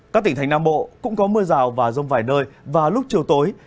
các tỉnh thành nam bộ cũng có mưa rào và rông vài nơi và lúc chiều tối